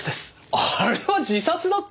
あれは自殺だって。